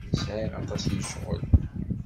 Sɛiɣ aṭas n ccɣel.